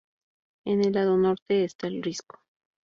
En el lado norte está el risco.